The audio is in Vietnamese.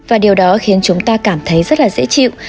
và điều đó khiến chúng ta cảm thấy rất là dễ chịu